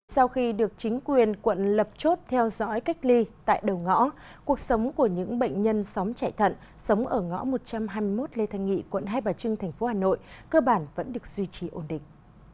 sau khi được chính quyền quận lập chốt theo dõi cách ly tại đầu ngõ cuộc sống của những bệnh nhân xóm chạy thận sống ở ngõ một trăm hai mươi một lê thanh nghị quận hai bà trưng tp hà nội cơ bản vẫn được duy trì ổn định